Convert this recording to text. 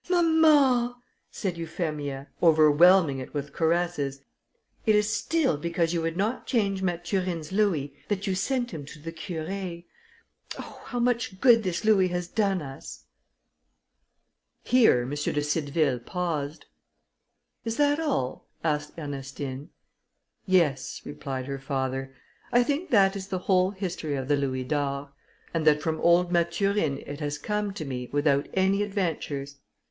mamma," said Euphemia, overwhelming it with caresses, "it is still because you would not change Mathurine's louis, that you sent them to the Curé. Oh! how much good this louis has done us!" Here M. de Cideville paused. "Is that all?" asked Ernestine. "Yes," replied her father, "I think that is the whole history of the louis d'or; and that from old Mathurine it has come to me, without any adventures."